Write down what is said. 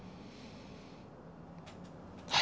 はい。